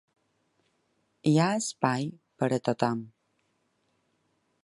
Hi ha espai per a tothom.